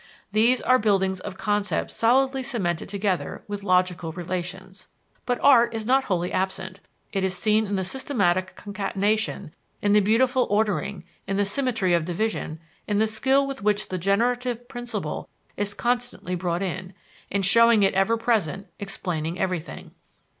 These are buildings of concepts solidly cemented together with logical relations. But art is not wholly absent; it is seen in the systematic concatenation, in the beautiful ordering, in the symmetry of division, in the skill with which the generative principle is constantly brought in, in showing it ever present, explaining everything.